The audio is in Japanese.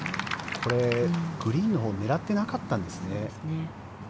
これ、グリーンのほうを狙ってなかったんですね。